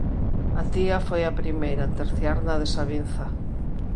A tía foi a primeira en terciar na desavinza.